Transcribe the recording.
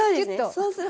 そうですね。